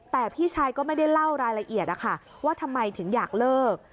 แต่พี่ชายก็ไม่ได้เล่ารายละเอียดนะคะว่าทำไมถึงอยากเลิก